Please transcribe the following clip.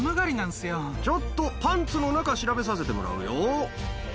ちょっとパンツの中調べさせてもらうよ。